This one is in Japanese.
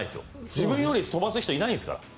自分より飛ばす人いないんですから。